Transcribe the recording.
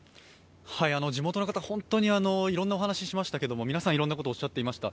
地元の方、本当にいろんなお話ししましたが、皆さん、いろんなことをおっしゃっていました。